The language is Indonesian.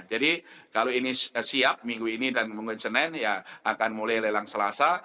jadi kalau ini siap minggu ini dan minggu senin ya akan mulai lelang selasa